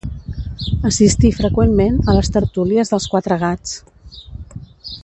Assistí freqüentment a les tertúlies dels Quatre Gats.